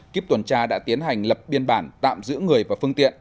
kiếp tuần tra đã tiến hành lập biên bản tạm giữ người và phương tiện